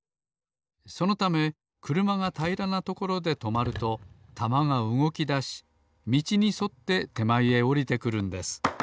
そのためくるまがたいらなところでとまるとたまがうごきだしみちにそっててまえへおりてくるんです。